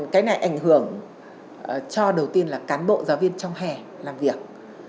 cái này ảnh hưởng cho đầu tiên là cán bộ giáo viên trong hè làm việc